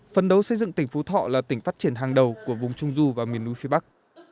phấn đấu xây dựng tỉnh phú thọ là tỉnh phát triển hàng đầu của vùng trung du và miền núi phía bắc